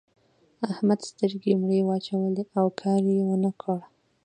احمد سترګې مړې واچولې؛ او کار يې و نه کړ.